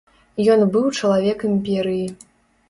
Ён быў чалавек імперыі.